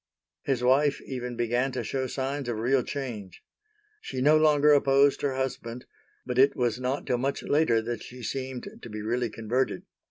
His wife even began to show signs of real change. She no longer opposed her husband, but it was not till much later that she seemed to be really converted.